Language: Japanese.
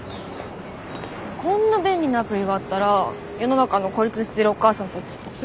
こんな便利なアプリがあったら世の中の孤立してるお母さんたちすごく助かるはずなのに。